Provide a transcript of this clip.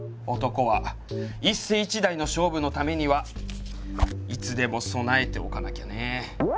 男は一世一代の勝負のためにはいつでも備えておかなきゃね。